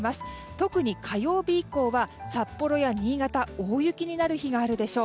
特に火曜日以降は札幌や新潟大雪になる日があるでしょう。